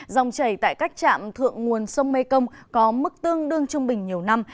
dòng chảy tại các trạm thượng nguồn sông mê công có mức tương đương trung bình nhiều năm